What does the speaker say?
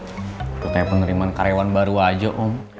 itu kayak penerimaan karyawan baru aja om